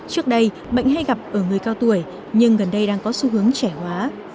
trước đây bệnh hay gặp ở người cao tuổi nhưng gần đây đang có xu hướng trẻ hóa